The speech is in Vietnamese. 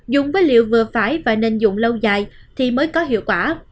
dùng vật liệu vừa phải và nên dùng lâu dài thì mới có hiệu quả